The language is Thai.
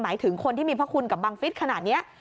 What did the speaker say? หมายถึงคนที่มีพระคุณกับบังฟิศขนาดนี้